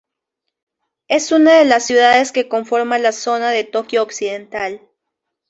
Es una de las ciudades que conforma la zona de Tokio Occidental.